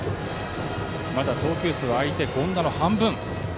まだ投球数は相手の権田の半分。